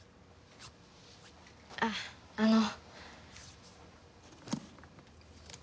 あああの。